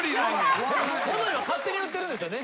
戻りは勝手に言ってるんですよね？